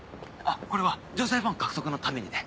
これは女性ファン獲得のためにね。